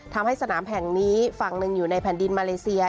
ทำให้สนามแห่งนี้ฝั่งหนึ่งอยู่ในแผ่นดินมาเลเซีย